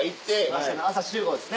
あしたの朝集合ですね。